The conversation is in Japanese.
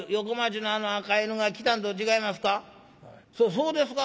「そうですか？」。